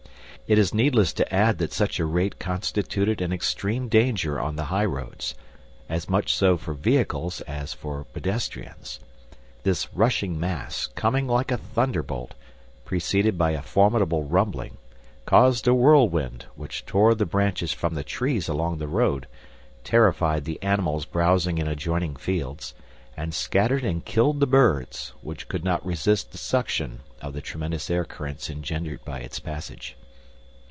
It is needless to add that such a rate constituted an extreme danger on the highroads, as much so for vehicles, as for pedestrians. This rushing mass, coming like a thunder bolt, preceded by a formidable rumbling, caused a whirlwind, which tore the branches from the trees along the road, terrified the animals browsing in adjoining fields, and scattered and killed the birds, which could not resist the suction of the tremendous air currents engendered by its passage.